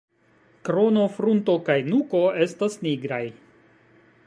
Krono, frunto kaj nuko estas nigraj.